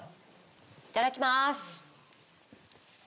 いただきます。